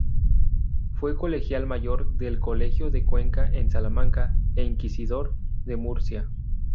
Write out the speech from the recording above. Fue Colegial Mayor del Colegio de Cuenca en Salamanca e Inquisidor de Murcia.